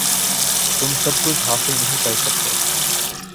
تم سب کچھ حاصل نہیں کر سکتے۔